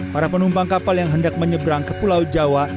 para penumpang kapal yang hendak menyeberang ke pulau jawa